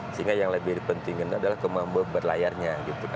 sehingga yang lebih penting adalah kemampuan berlayarnya